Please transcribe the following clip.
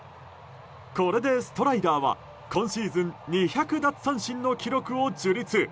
これでストライダーは今シーズン２００奪三振の記録を樹立。